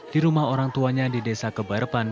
di rumah orang tuanya di desa kebarpan